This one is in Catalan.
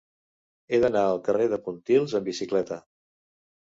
He d'anar al carrer de Pontils amb bicicleta.